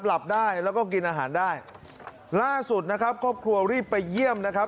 หลับได้แล้วก็กินอาหารได้ล่าสุดนะครับครอบครัวรีบไปเยี่ยมนะครับ